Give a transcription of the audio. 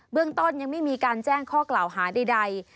เรื่องต้นยังไม่มีการแจ้งข้อกล่าวหาใด